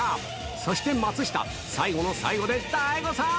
そして松下、最後の最後で大誤算。